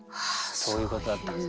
そういうことだったんですね。